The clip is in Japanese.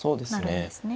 そうですね。